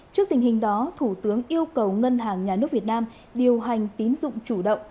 trước tình hình đó thủ tướng yêu cầu ngân hàng nhà nước việt nam điều hành tín dụng chủ động